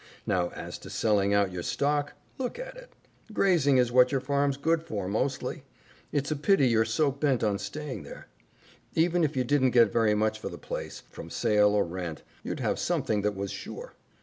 Now as to selling out your stock, look at it. Grazing is what your farm's good for mostly. It's a pity you're so bent on staying there. Even if you didn't get very much for the place, from sale or rent, you'd have something that was sure.